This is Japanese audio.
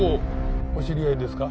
お知り合いですか？